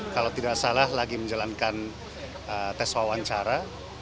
kalau tidak salah lagi menjalankan tes wawancara